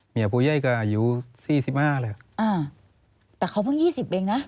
เมียผู้เย่ยก็อายุสี่สิบห้าแล้วอ่าแต่เขาเพิ่งยี่สิบเองน่ะ